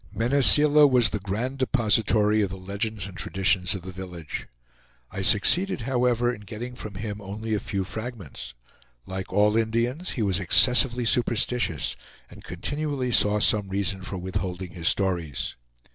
Mene Seela was the grand depository of the legends and traditions of the village. I succeeded, however, in getting from him only a few fragments. Like all Indians, he was excessively superstitious, and continually saw some reason for withholding his stories.